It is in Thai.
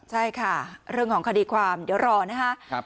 ใช่ค่ะเรื่องของคดีความเดี๋ยวรอนะครับ